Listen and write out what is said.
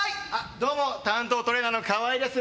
どうも担当トレーナーのカワイです。